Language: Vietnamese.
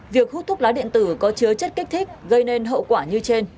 việc hút thuốc lá điện tử có chứa chất kích thích gây nên hậu quả như trên